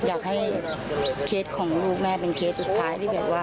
อยากให้เคสของผมแม่เป็นเคสสุดท้าย